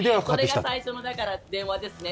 それが最初の電話ですね